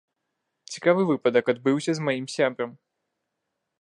Цікавы выпадак адбыўся з маім сябрам.